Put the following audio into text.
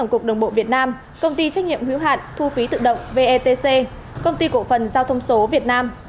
tổng cục đồng bộ việt nam công ty trách nhiệm hiếu hạn thu phí tự động vetc công ty cổ phần giao thông số việt nam